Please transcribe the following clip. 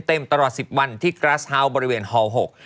ตลอด๑๐วันที่กราสเฮาส์บริเวณฮ๖